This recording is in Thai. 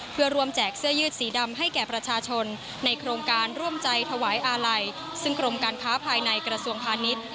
เพื่อรวมแจกเสื้อยืดสีดำให้แก่ประชาชนในโครงการร่วมใจถวายอาลัยซึ่งกรมการค้าภายในกระทรวงพาณิชย์